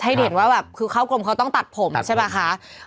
เห็นว่าแบบคือเข้ากรมเขาต้องตัดผมใช่ป่ะคะ